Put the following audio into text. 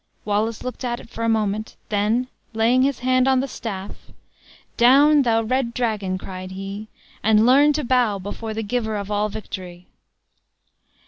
Wallace looked at it for a moment; then laying his hand on the staff, "Down, thou red dragon," cried he, "and learn to bow before the Giver of all victory!"